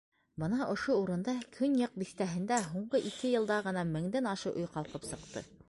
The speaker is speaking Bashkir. — Бына ошо урында, Көньяҡ биҫтәһендә, һуңғы ике йылда ғына меңдән ашыу өй ҡалҡып сыҡты.